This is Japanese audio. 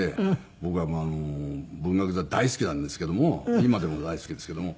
僕は文学座大好きなんですけども今でも大好きですけども。